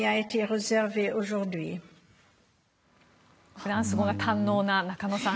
フランス語が堪能な中野さん